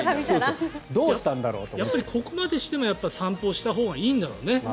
ここまでしても、やっぱり散歩をしたほうがいいんだろうね